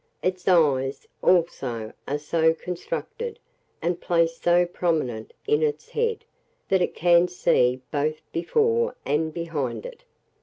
Its eyes, also, are so constructed, and placed so prominent in its head, that it can see both before and behind it.